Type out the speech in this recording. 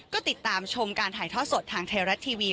ก็ติดตามชมการถ่ายทอดสดทางไทยรัฐทีวี